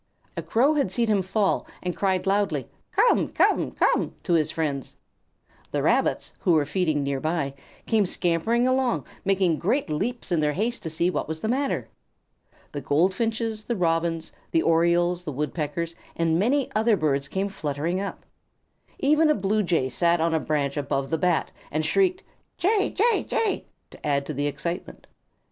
A Crow had seen him fall, and cried loudly, "Come! Come! Come!" to his friends. The Rabbits, who were feeding near by, came scampering along, making great leaps in their haste to see what was the matter. The Goldfinches, the Robins, the Orioles, the Woodpeckers, and many other birds came fluttering up. Even a Blue Jay sat on a branch above the Bat and shrieked, "Jay! Jay! Jay!" to add to the excitement.